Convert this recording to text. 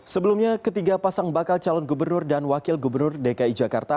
sebelumnya ketiga pasang bakal calon gubernur dan wakil gubernur dki jakarta